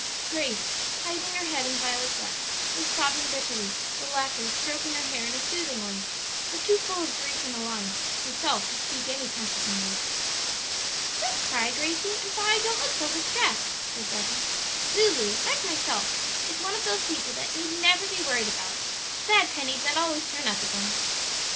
Grace, hiding her head in Violet's lap, was sobbing bitterly, the latter stroking her hair in a soothing way, but too full of grief and alarm herself to speak any comforting words. "Don't cry, Gracie; and, Vi, don't look so distressed," said Betty. "Lulu, like myself, is one of those people that need never be worried about the bad pennies that always turn up again."